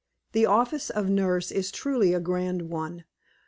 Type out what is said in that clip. The office of nurse is truly a grand one.